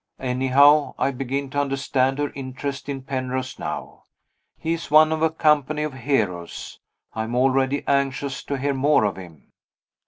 Anyhow, I begin to understand her interest in Penrose now. He is one of a company of heroes. I am already anxious to hear more of him.